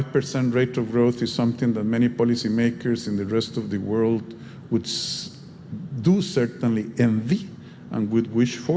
pertumbuhan ekonomi indonesia kali ini menggaris bawahi fondasi ekonomi indonesia